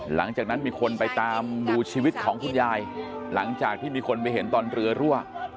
หลังจากนั้นมีคนไปตามดูชีวิตของคุณยายหลังจากที่มีคนไปเห็นตอนเรือรั่ว